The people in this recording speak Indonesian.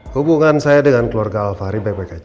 hubungan saya dengan keluarga al fahri